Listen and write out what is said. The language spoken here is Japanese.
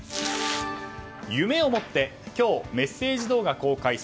夢を持って今日メッセージ動画公開。